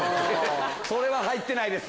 それは入ってないです。